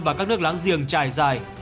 và các nước láng giềng trải dài